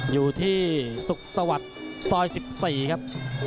อยู่ที่สุขสวัสดิ์ซอย๑๔ครับ